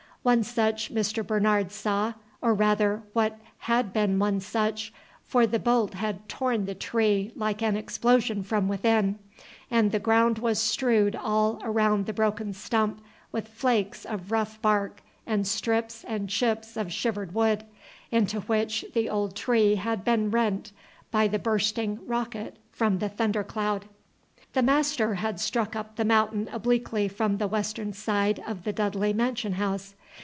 One such Mr. Bernard saw, or rather, what had been one such; for the bolt had torn the tree like an explosion from within, and the ground was strewed all around the broken stump with flakes of rough bark and strips and chips of shivered wood, into which the old tree had been rent by the bursting rocket from the thunder cloud. The master had struck up The Mountain obliquely from the western side of the Dudley mansion house.